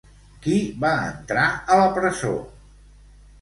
Qui va entrar a la presó?